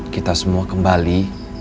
kita semua kembali